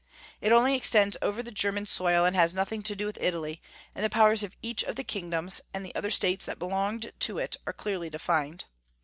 It only extends over the German soil, and has nothing to do with Italy; and the powers of each of the kingdoms, and other states that belonged to it, are clearly defined.